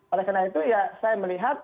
oleh karena itu ya saya melihat